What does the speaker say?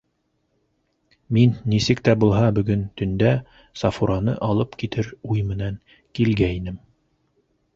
Мин, нисек тә булһа, бөгөн төндә Сафураны алып китер уй менән килгәйнем.